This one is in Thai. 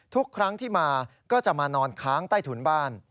ทุกครั้งที่มาก็จะมานอนค้างใต้ถุนบ้าน